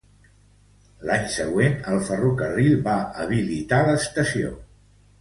L'any següent, el ferrocarril va habilitar l'estació.